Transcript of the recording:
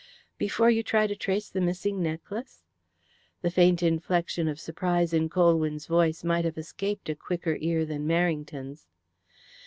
"Before you try to trace the missing necklace?" The faint inflection of surprise in Colwyn's voice might have escaped a quicker ear than Merrington's.